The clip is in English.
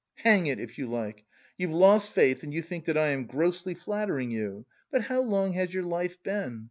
"Hang it, if you like! You've lost faith and you think that I am grossly flattering you; but how long has your life been?